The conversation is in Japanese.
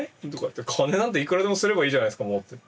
金なんていくらでも刷ればいいじゃないですか。